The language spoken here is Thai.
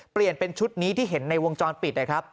เปลี่ยนเป็นชุดนี้ที่เห็นในวงจรปิดนะครับ